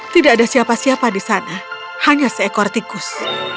tidak ada siapa siapa di sana hanya seekor tikus